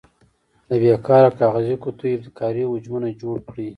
له بې کاره کاغذي قطیو ابتکاري حجمونه جوړ کړئ.